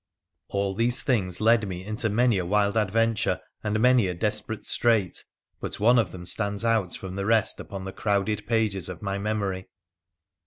All these things led me into many a wild adventure and many a desperate strait ; but one of them stands out from tha rest upon the crowded pages of my memory.